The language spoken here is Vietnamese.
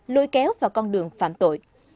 lôi kéo vào con đường phạm tội